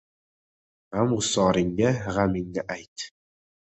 — G‘amg‘usoringga g‘amingni ayt.